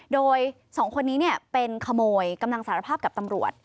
โดย๒คนนี้เป็นขโมยกำลังสารภาพกับตำรวจ